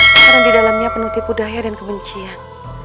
karena di dalamnya penuh tipu daya dan kebencian